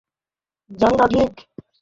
জানি না ঠিক।